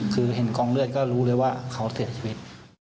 คือเห็นกองเลือดก็รู้เลยว่าเขาเสียชีวิต